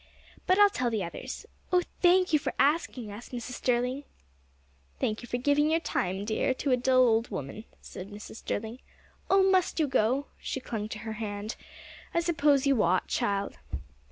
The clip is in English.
But I'll tell the others. Oh, thank you for asking us, Mrs. Sterling." "Thank you for giving your time, dear, to a dull old woman," said Mrs. Sterling. "Oh, must you go?" She clung to her hand. "I suppose you ought, child."